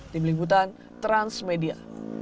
di melingkutan transmedia